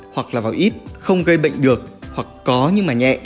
hoặc là vào ít không gây bệnh được hoặc có nhưng mà nhẹ